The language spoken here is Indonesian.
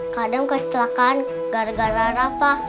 kak adam kesilakan gara gara rafa